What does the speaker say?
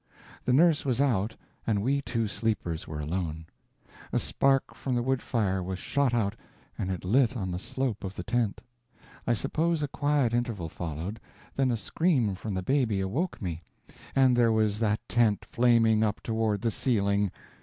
The nurse was out, and we two sleepers were alone. A spark from the wood fire was shot out, and it lit on the slope of the tent. I suppose a quiet interval followed, then a scream from the baby awoke me, and there was that tent flaming up toward the ceiling!